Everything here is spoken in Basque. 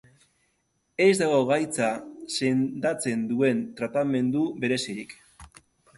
Ez dago gaitza sendatzen duen tratamendu berezirik.